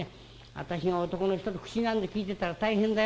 私が男の人と口なんて利いてたら大変だよ。